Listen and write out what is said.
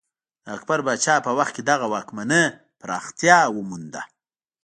د اکبر پاچا په وخت کې دغه واکمنۍ پراختیا ومونده.